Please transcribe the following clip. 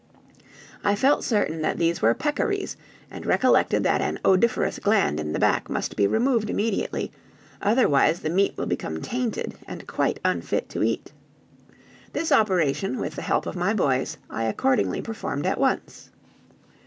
I felt certain that these were peccaries, and recollected that an odoriferous gland in the back must be removed immediately, otherwise the meat will become tainted, and quite unfit to eat. This operation, with the help of my boys, I accordingly performed at once.